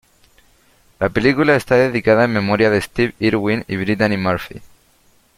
La película está dedicada en memoria de Steve Irwin y Brittany Murphy.